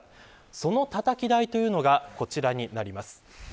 そのたたき台というのがこちらになります。